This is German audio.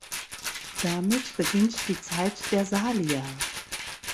Damit beginnt die Zeit der Salier.